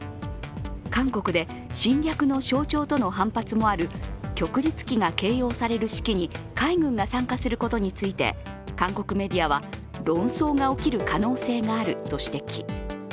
韓国で侵略の象徴との反発もある旭日旗が掲揚される式に海軍が参加することについて韓国メディアは論争が起きる可能性があると指摘。